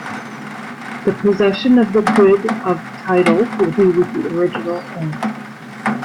The possession of the good of title will be with the original owner.